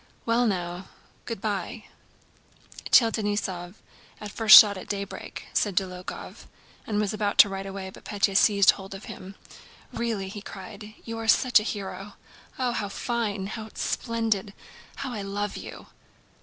"Well now, good by. Tell Denísov, 'at the first shot at daybreak,'" said Dólokhov and was about to ride away, but Pétya seized hold of him. "Really!" he cried, "you are such a hero! Oh, how fine, how splendid! How I love you!"